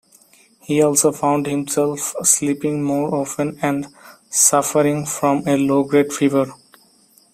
He also found himself sleeping more often and suffering from a low-grade fever.